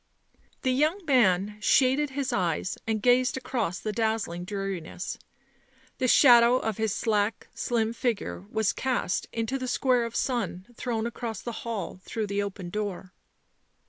The young man shaded his eyes and gazed across the dazzling dreariness ; the shadow of his slack, slim figure was cast into the square of sun thrown across the hall through the open door.